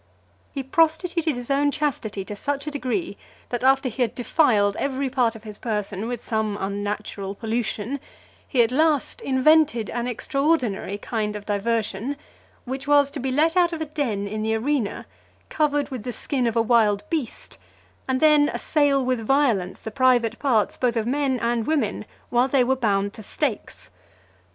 He prostituted his own chastity to such a degree, that (358) after he had defiled every part of his person with some unnatural pollution, he at last invented an extraordinary kind of diversion; which was, to be let out of a den in the arena, covered with the skin of a wild beast, and then assail with violence the private parts both of men and women, while they were bound to stakes.